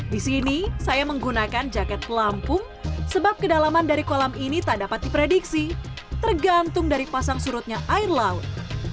di sini saya menggunakan jaket pelampung sebab kedalaman dari kolam ini tak dapat diprediksi tergantung dari pasang surutnya air laut